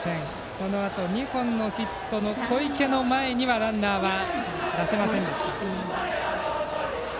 このあと２本のヒットがある小池の前にはランナーは出せませんでした。